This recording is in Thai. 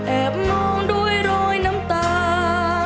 แอบมองด้วยโรยน้ำตา